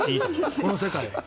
この世界は。